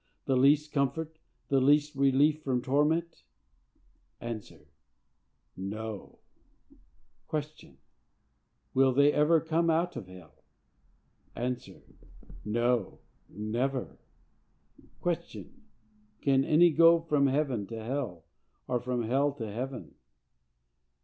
the least comfort? the least relief from torment?—A. No. Q. Will they ever come out of hell?—A. No, never. Q. Can any go from heaven to hell, or from hell to heaven?